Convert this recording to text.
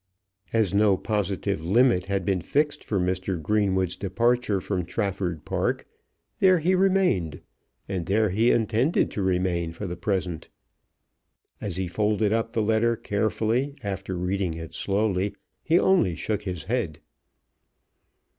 As no positive limit had been fixed for Mr. Greenwood's departure from Trafford Park, there he remained, and there he intended to remain for the present. As he folded up the letter carefully after reading it slowly, he only shook his head.